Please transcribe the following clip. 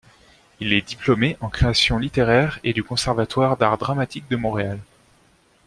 Il est diplômé en création littéraire et du Conservatoire d'art dramatique de Montréal.